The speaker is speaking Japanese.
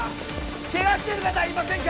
ケガしてる方はいませんか？